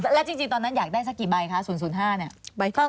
แล้วจริงตอนนั้นอยากได้สักกี่ใบคะ๐๕เนี่ย